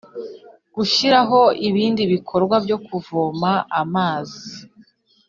gushyiraho ibindi bikorwa byo kuvoma amazi